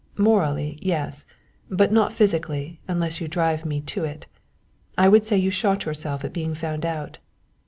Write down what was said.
"Morally, yes, but not physically unless you drive me to it. I would say you shot yourself at being found out.